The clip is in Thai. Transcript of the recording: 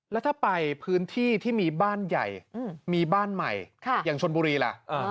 แล้วถ้าไปพื้นที่ที่มีบ้านใหญ่มีบ้านใหม่อย่างชนบุรีล่ะ